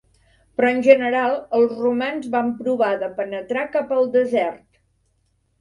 Però en general els romans va provar de penetrar cap al desert.